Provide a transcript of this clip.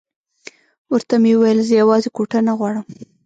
ورته مې وویل زه یوازې کوټه نه غواړم.